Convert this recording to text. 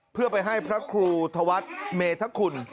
เพื่อไปให้พระครูธวัฒน์เมธคุณ